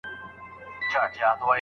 د تفسير پېژندنه څه ده؟